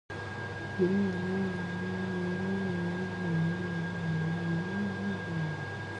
Absence of weathering suggests the siding was added soon after original construction.